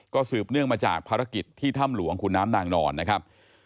ก็สืบเนื่องมาจากภารกิจที่ถ้ำหลวงขุนน้ำนางนอนนะครับ